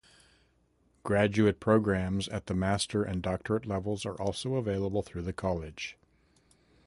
Graduate programs at the master and doctorate levels are also available through the college.